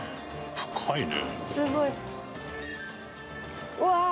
「深いね」